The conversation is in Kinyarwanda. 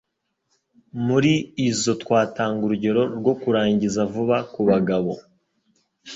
Muri izo twatanga urugero rwo kurangiza vuba ku bagabo